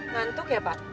ngantuk ya pak